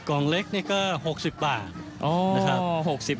กล่องเล็กนี่ก็๖๐บาทนะครับ